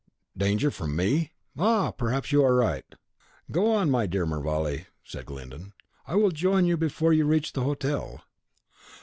"Danger from me! Ah, perhaps you are right." "Go on, my dear Mervale," said Glyndon; "I will join you before you reach the hotel."